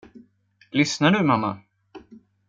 Lyssnar du, mamma?